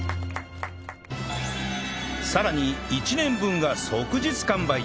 さらに１年分が即日完売！